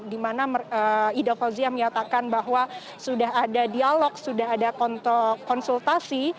di mana ida fauziah menyatakan bahwa sudah ada dialog sudah ada konsultasi